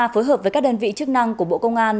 phối hợp với các đơn vị chức năng của bộ công an